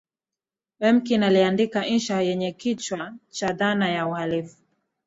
lemkin aliandika insha yenye kichwa cha dhana ya uhalifu